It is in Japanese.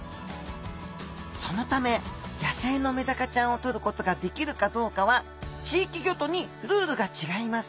そのため野生のメダカちゃんをとることができるかどうかは地域ギョとにルールが違います。